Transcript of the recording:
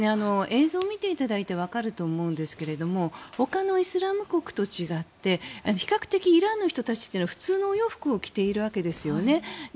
映像を見ていただいてわかると思うんですけどほかのイスラム国と違って比較的、イランの人たちは普通のお洋服を着ているわけですよね。